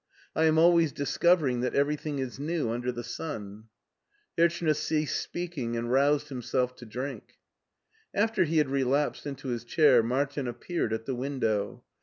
I am always discovering that everything is new under the sun.*' Hirchner ceased speaking and roused himself to drink. After he had relapsed into his chair, Martin ap peared at the window.